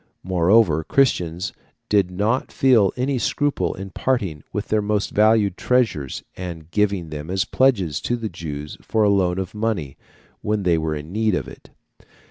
Moreover, Christians did not feel any scruple in parting with their most valued treasures, and giving them as pledges to the Jews for a loan of money when they were in need of it.